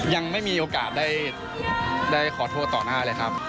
ยังไม่มีโอกาสได้ขอโทษต่อหน้าเลยครับ